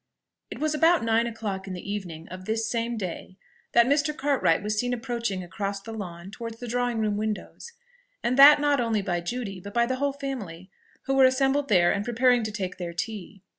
It was about nine o'clock in the evening of this same day, that Mr. Cartwright was seen approaching across the lawn towards the drawing room windows, and that not only by Judy, but by the whole family, who were assembled there and preparing to take their tea.